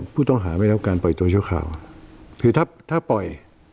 ผู้ต้องหาไม่รับการปล่อยตัวช่วงข่าวถ้าปล่อย